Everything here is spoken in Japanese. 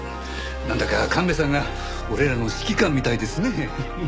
なんだか神戸さんが俺らの指揮官みたいですね。